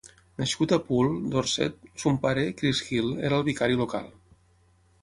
Nascut a Poole, Dorset, son pare, Chris Hill, era el vicari local.